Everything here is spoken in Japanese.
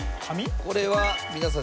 これは皆さん